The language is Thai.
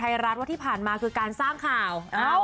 รัฐว่าที่ผ่านมาคือการสร้างข่าว